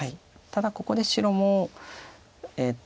ただここで白も。